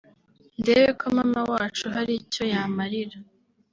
ndebe ko mama wacu hari icyo yamarira